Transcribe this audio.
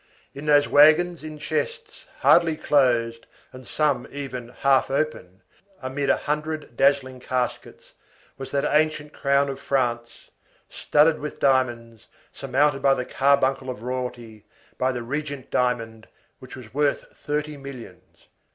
In those wagons in chests, hardly closed, and some, even, half open, amid a hundred dazzling caskets, was that ancient crown of France, studded with diamonds, surmounted by the carbuncle of royalty, by the Regent diamond, which was worth thirty millions.